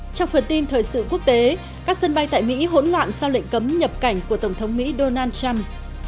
trong phần tin thời sự quốc tế các sân bay tại mỹ hỗn loạn sau lệnh cấm nhập cảnh của tổng thống mỹ donald trump